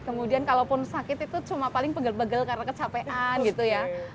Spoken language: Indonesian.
kemudian kalaupun sakit itu cuma paling pegel pegel karena kecapean gitu ya